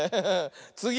つぎ！